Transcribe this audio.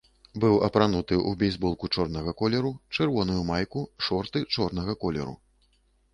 Быў апрануты ў бейсболку чорнага колеру, чырвоную майку, шорты чорнага колеру.